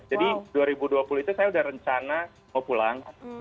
jadi dua ribu dua puluh itu saya udah rencana mau pulang